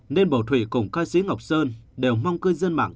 nên bầu thủy cùng ca sĩ ngọc sơn đều mong cư dân mạng